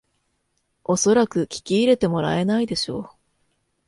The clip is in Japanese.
おそらく聞き入れてもらえないでしょう